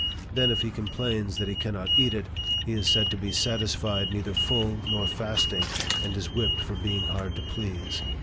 Then, if he complains that he cannot eat it, he is said to be satisfied neither full nor fasting, and is whipped for being hard to please